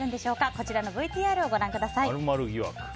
こちらのＶＴＲをご覧ください。